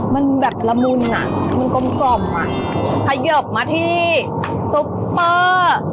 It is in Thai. มันแบบละมุนอ่ะมันกลมกล่อมอ่ะขยบมาที่ซุปเปอร์